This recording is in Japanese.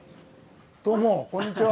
どうもこんにちは。